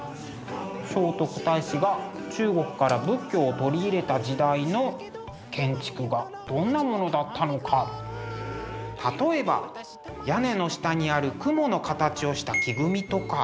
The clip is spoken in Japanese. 聖徳太子が中国から仏教を取り入れた時代の建築がどんなものだったのか例えば屋根の下にある雲の形をした木組みとか。